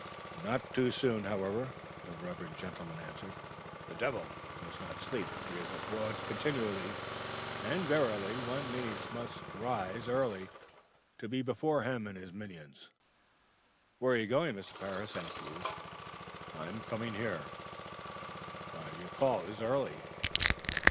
"Not too soon, however," the reverend gentleman answered. "The devil does not sleep. He is abroad continually, and, verily, one needs must rise early to be before him and his minions." "Where are you going, Mr. Parris?" asked the youth. "I am coming here." "Your call is early."